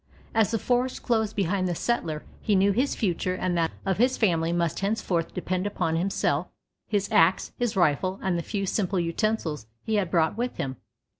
As the forest closed behind the settler he knew his future and that of his family must henceforth depend upon himself, his ax, his rifle, and the few simple utensils he had brought with him.